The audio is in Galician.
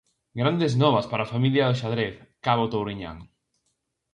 Grandes novas para a familia do xadrez Cabo Touriñán.